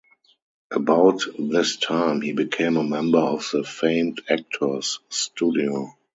About this time, he became a member of the famed Actors Studio.